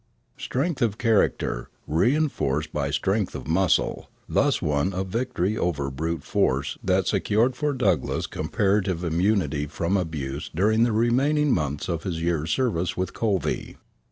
Strength of character, re enforced by strength of muscle, thus won a victory over brute force that secured for Douglass comparative immunity from abuse during the remaining months of his year's service with Covey.